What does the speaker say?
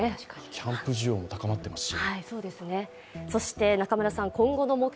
キャンプ需要も高まっていますし。